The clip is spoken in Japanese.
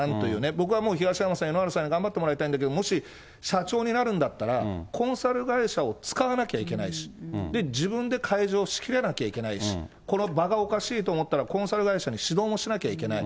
僕はもう、東山さん、井ノ原さんに頑張ってもらいたいんだけど、もし社長になるんだったら、コンサル会社を使わなきゃいけないし、自分で会場仕切らなきゃいけないし、この場がおかしいと思ったら、コンサル会社に指導もしなきゃいけない。